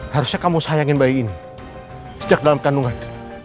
harusnya kamu sayangin bayi ini sejak dalam kandungan